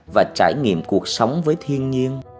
và trải nghiệm cuộc sống với thiên nhiên